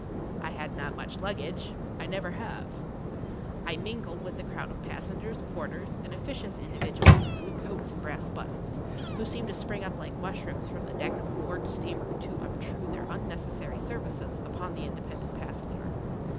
I had not much luggage—I never have. I mingled with the crowd of passengers, porters, and officious individuals in blue coats and brass buttons, who seemed to spring up like mushrooms from the deck of a moored steamer to obtrude their unnecessary services upon the independent passenger.